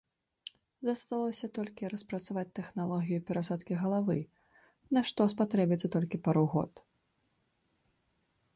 Засталося толькі распрацаваць тэхналогію перасадкі галавы, на што спатрэбіцца толькі пару год.